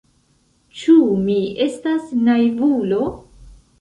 Ĉu mi estas naivulo?